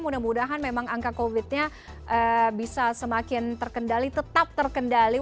mudah mudahan memang angka covid nya bisa semakin terkendali tetap terkendali